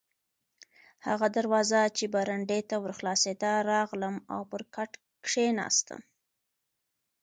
هغه دروازه چې برنډې ته ور خلاصېده، راغلم او پر کټ کښېناستم.